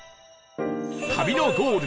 旅のゴール